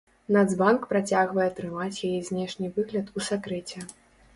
Нацбанк працягвае трымаць яе знешні выгляд у сакрэце.